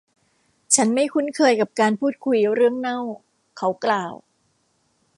'ฉันไม่คุ้นเคยกับการพูดคุยเรื่องเน่า' เขากล่าว